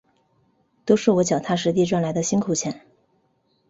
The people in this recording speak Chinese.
都是我脚踏实地赚来的辛苦钱